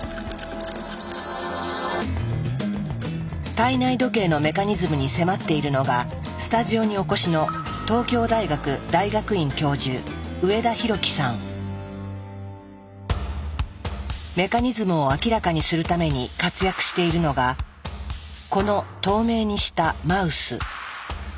体内時計のメカニズムに迫っているのがスタジオにお越しのメカニズムを明らかにするために活躍しているのがこの透明にしたマウス。